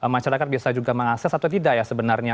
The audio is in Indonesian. masyarakat bisa juga mengakses atau tidak ya sebenarnya